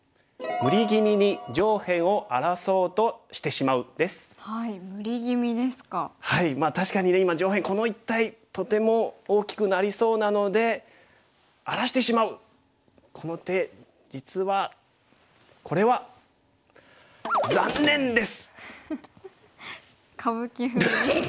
まあ確かにね今上辺この一帯とても大きくなりそうなので荒らしてしまうこの手実はこれは歌舞伎風ですね。